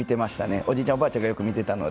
おじいちゃん、おばあちゃんがよく見ていたので。